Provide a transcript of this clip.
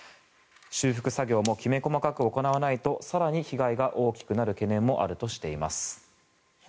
修復作業もきめ細かく行わないと更に被害が大きくなる懸念もあるとしています。